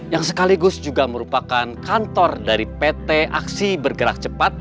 yang sekaligus juga merupakan kantor dari pt aksi bergerak cepat